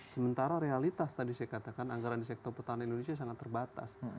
sementara realitas tadi saya katakan anggaran di sektor pertanian indonesia sangat terbatas